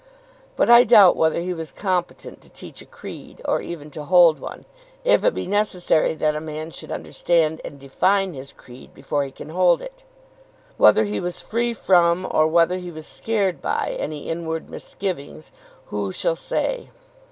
But I doubt whether he was competent to teach a creed, or even to hold one, if it be necessary that a man should understand and define his creed before he can hold it. Whether he was free from, or whether he was scared by, any inward misgivings, who shall say?